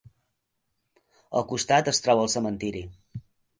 Al costat es troba el cementiri.